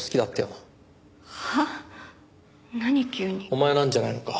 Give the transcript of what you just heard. お前なんじゃないのか？